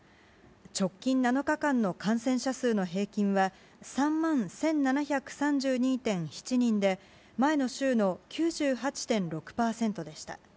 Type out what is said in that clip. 直近７日間の感染者数の平均は、３万１７３２．７人で、前の週の９８．６％でした。